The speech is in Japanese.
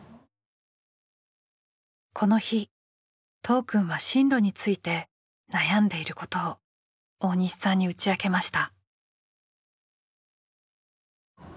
この日都央くんは進路について悩んでいることを大西さんに打ち明けました。